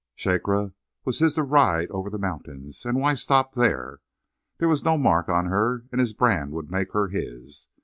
Shakra was his to ride over the mountains. And why stop there? There was no mark on her, and his brand would make her his.